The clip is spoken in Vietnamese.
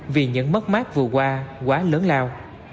vì những mất mát vừa qua quá lớn lao